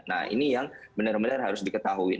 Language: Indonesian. nah ini yang benar benar harus diketahui